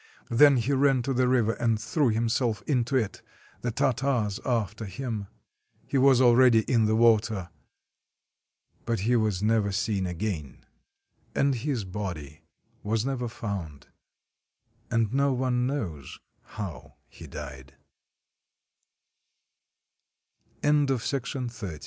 Then he ran to the river and threw himself into it — the Tartars after him. He was already in the water. But he was never seen again, and his body was never found, and no one knows how he